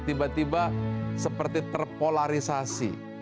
tiba tiba seperti terpolarisasi